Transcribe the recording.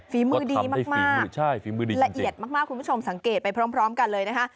ฝีมือดีมากฝีมือดีละเอียดมากคุณผู้ชมสังเกตไปพร้อมกันเลยนะคะ